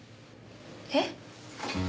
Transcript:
えっ？